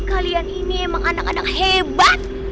kalian ini emang anak anak hebat